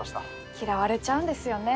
嫌われちゃうんですよね。